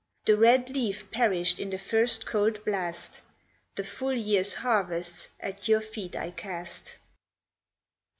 The red leaf perished in the first cold blast The full year's harvests at your feet I cast.